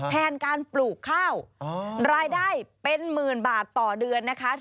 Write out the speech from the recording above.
แทนการปลูกข้าวรายได้เป็นหมื่นบาทต่อเดือนนะคะ